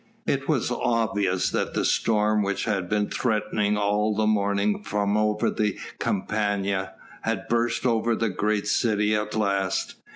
It was obvious that the storm which had been threatening all the morning from over the Campania, had burst over the great city at last.